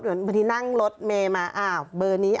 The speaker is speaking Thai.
เหมือนบางทีนั่งรถเมล์มาเบอร์นี้